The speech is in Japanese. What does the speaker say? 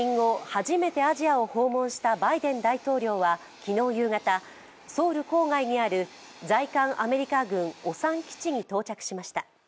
初めてアジアを訪問したバイデン大統領は昨日夕方、ソウル郊外にある在韓米軍オサン基地にしました。